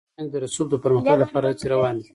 افغانستان کې د رسوب د پرمختګ لپاره هڅې روانې دي.